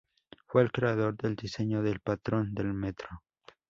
Fue el creador del diseño del patrón del metro.